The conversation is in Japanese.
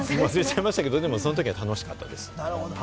でもその時は楽しかったです。